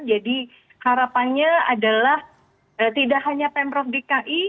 jadi harapannya adalah tidak hanya pemprov dki